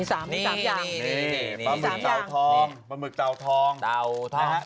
อีกสักทุกค่ะ